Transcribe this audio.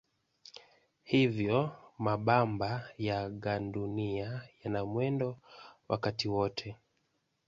Hivyo mabamba ya gandunia yana mwendo wakati wote.